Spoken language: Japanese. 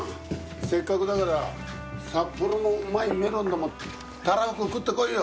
せっかくだから札幌のうまいメロンでもたらふく食ってこいよ。